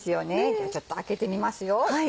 じゃあちょっと開けてみますよ。